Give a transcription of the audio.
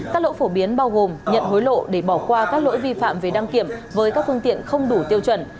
các lỗi phổ biến bao gồm nhận hối lộ để bỏ qua các lỗi vi phạm về đăng kiểm với các phương tiện không đủ tiêu chuẩn